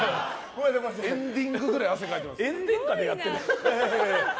エンディングぐらい汗かいてる。